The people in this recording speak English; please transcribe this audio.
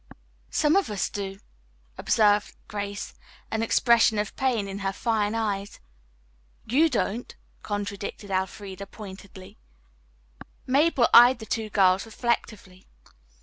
"Some of us do," observed Grace, an expression of pain in her fine eyes. "You don't," contradicted Elfreda pointedly. Mabel eyed the two girls reflectively.